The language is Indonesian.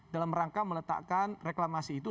dalam rangka meletakkan reklamasi itu